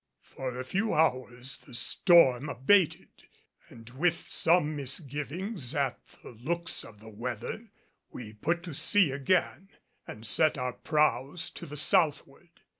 For a few hours the storm abated, and with some misgivings at the looks of the weather we put to sea again and set our prows to the southward.